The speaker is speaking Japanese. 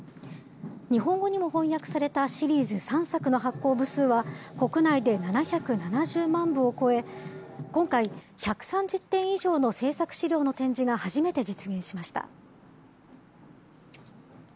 日本語にも翻訳されたシリーズ３作の発行部数は、国内で７７０万部を超え、今回、１３０点以上の制作資料の展示が初めて実現しました。